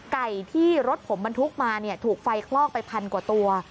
ไก่ที่รถผมบรรทุกมาถูกไฟคลอกไปพันกว่าตัว